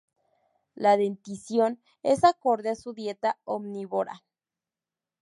La dentición es acorde a su dieta omnívora.